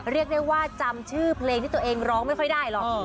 เรียกได้ว่าจำชื่อเพลงที่ตัวเองร้องไม่ค่อยได้หรอก